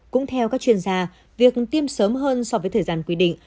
cũng theo các chuyên gia việc tiêm sớm hơn so với thời gian quy định